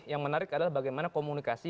yang menarik adalah bagaimana komunikasi